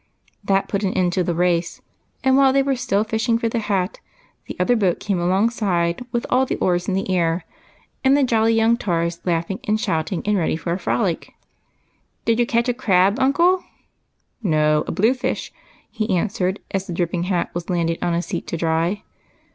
That put an end to the race, and while they were still fishing for the hat the other boat came alongside, with all the oars in the air, and the jolly young tars ready for a frolic. " Did you catch a crab, uncle ?"" No, a blue fish," he answered, as the dripping hat was landed on a seat to dry.